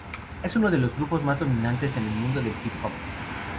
Es uno de los grupos más dominantes en el mundo del "hip hop".